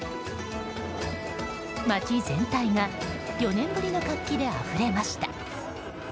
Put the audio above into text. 街全体が４年ぶりの活気であふれました。